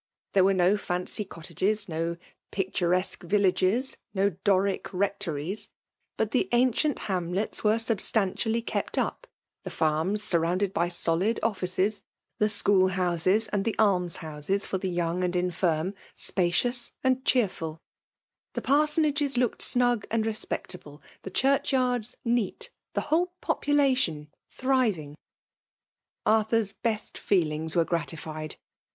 There were ne fancy cottages — no picturesque villages — ^no Dorie rectories. But the ancient hamletisi were FEMALE D0MIMAT10I7. 28 MbrtmtUlfy kept up— the farms surrounded Isy tioM oficee — the sdioolhooses and the alnsheusea f&r the yoiwg and infirm^ gpaeioas and cheerful. The pansonagea looked snug and reapectable— the ehurchyards, seaA—the trhok popnlatioB, thriviB^^ Arthur's best feelings were gratified.